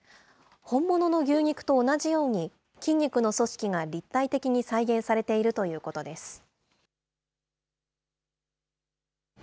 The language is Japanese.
本物の牛肉と同じように、筋肉の組織が立体的に再現されているということです。